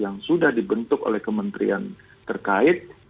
yang sudah dibentuk oleh kementerian terkait